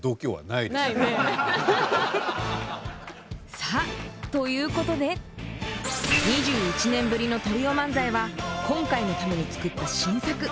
さあということで２１年ぶりのトリオ漫才は今回のために作った新作。